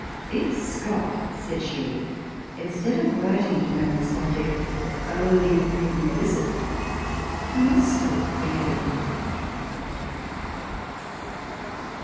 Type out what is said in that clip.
" If Scott," said she, " instead of writing to me on the subject, had only paid me a visit, I must have forgiven him."